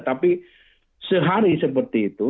tapi sehari seperti itu